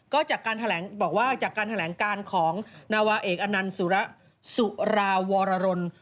ก็บอกว่าจากการแถลงการของนวเอกอันนันสุรวรรณ